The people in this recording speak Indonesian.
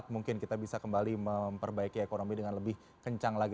mungkin kita bisa kembali memperbaiki ekonomi dengan lebih kencang lagi